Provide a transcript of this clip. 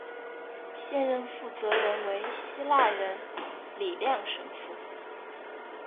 现任负责人为希腊人李亮神父。